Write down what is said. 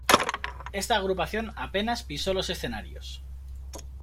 Esta agrupación apenas pisó los escenarios.